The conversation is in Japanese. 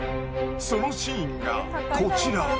そのシーンがこちら。